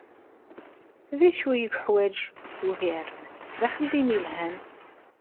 D acu yeḥwaǧ ugar, d axeddim yelhan.